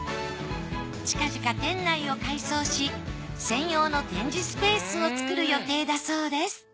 近々店内を改装し専用の展示スペースを作る予定だそうです